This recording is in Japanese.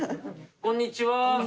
こんにちは。